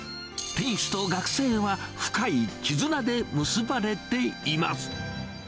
店主と学生は深い絆で結ばれています。